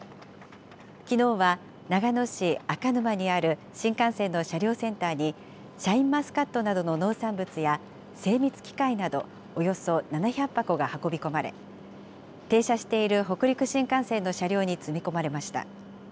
きのうは長野市赤沼にある新幹線の車両センターに、シャインマスカットなどの農産物や精密機械など、およそ７００箱が運び込まれ、停車している北陸新幹線の車両に積み込まれました。